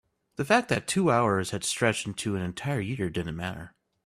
the fact that the two hours had stretched into an entire year didn't matter.